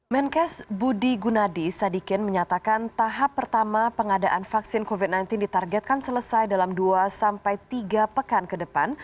menkes budi gunadi sadikin menyatakan tahap pertama pengadaan vaksin covid sembilan belas ditargetkan selesai dalam dua sampai tiga pekan ke depan